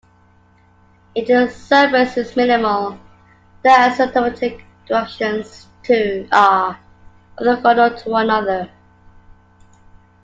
If the surface is minimal, the asymptotic directions are orthogonal to one another.